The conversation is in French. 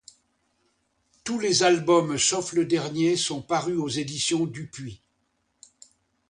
Tous les albums, sauf le dernier, sont parus aux Éditions Dupuis.